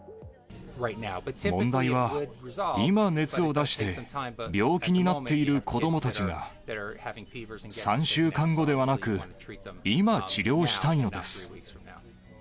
問題は、今、熱を出して病気になっている子どもたちが、３週間後ではなく、今、治療したいのです。